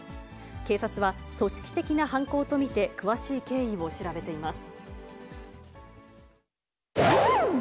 警察は組織的な犯行と見て、詳しい経緯を調べています。